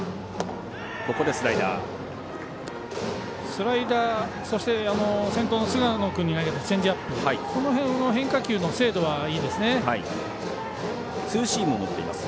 スライダー、そして先頭の菅野君に投げたチェンジアップその辺の変化球の精度はいいです。